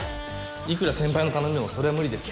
いくら先輩の頼みでもそれは無理です。